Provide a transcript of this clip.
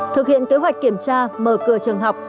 thực hiện kế hoạch kiểm tra mở cửa trường học